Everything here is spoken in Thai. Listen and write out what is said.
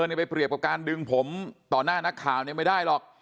เนี่ยไปเปรียบกับการดึงผมต่อหน้านักข่าวเนี่ยไม่ได้หรอก